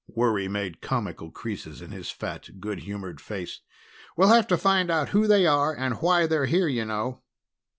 Worry made comical creases in his fat, good humored face. "We'll have to find out who they are and why they're here, you know."